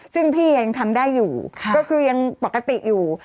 ซึ่งพี่ยังทำได้อยู่ก็คือยังปกติอยู่